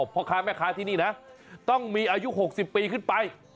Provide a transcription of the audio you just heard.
พ่อค้าแม่ค้าที่นี่นะต้องมีอายุ๖๐ปีขึ้นไป